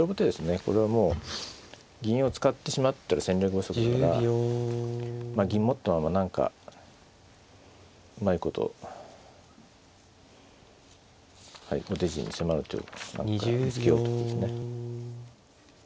これはもう銀を使ってしまっては戦力不足だから銀持ったまま何かうまいこと後手陣に迫る手を何か見つけようということですね。